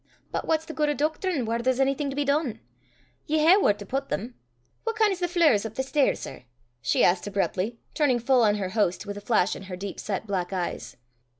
But what's the guid o' doctrine whaur there's onything to be dune? Ye hae whaur to put them. What kin' 's the fleers (floors) up the stair, sir?" she asked abruptly, turning full on her host, with a flash in her deep set black eyes.